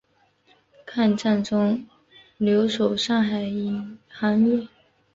抗战中留守上海银行业。